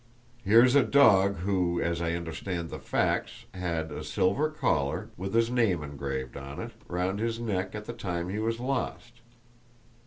Here's a dog who (as I understand the facts) had a silver collar, with his name engraved on it, round his neck at the time he was lost.